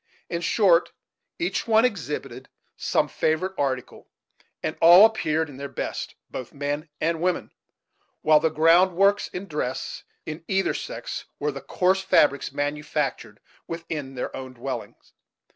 In short, each one exhibited some favorite article, and all appeared in their best, both men and women; while the ground works in dress, in either sex, were the coarse fabrics manufactured within their own dwellings.